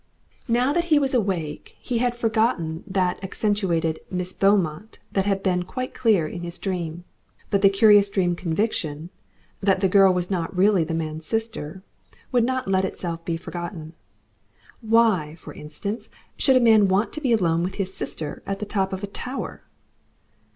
Now that he was awake he had forgotten that accentuated Miss Beaumont that had been quite clear in his dream. But the curious dream conviction, that the girl was not really the man's sister, would not let itself be forgotten. Why, for instance, should a man want to be alone with his sister on the top of a tower?